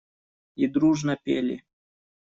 И дружно пели.